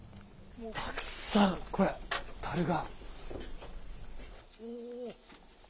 たくさん、これ、たるが。